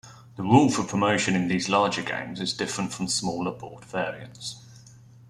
The rule for promotion in these larger games is different from smaller board variants.